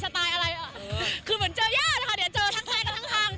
ประทับใจมากที่เจอคุณด้วยนะคะ